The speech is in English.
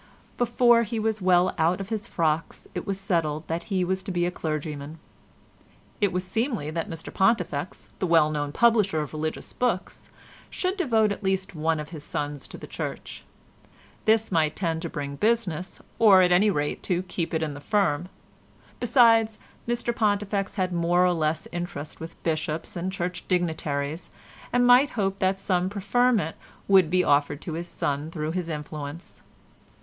Before he was well out of his frocks it was settled that he was to be a clergyman. It was seemly that Mr Pontifex, the well known publisher of religious books, should devote at least one of his sons to the Church; this might tend to bring business, or at any rate to keep it in the firm; besides, Mr Pontifex had more or less interest with bishops and Church dignitaries and might hope that some preferment would be offered to his son through his influence.